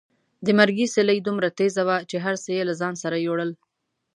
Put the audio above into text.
د مرګي سیلۍ دومره تېزه وه چې هر څه یې له ځان سره یوړل.